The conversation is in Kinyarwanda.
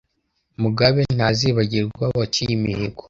mugabe ntazibagirwa waciye imihigo,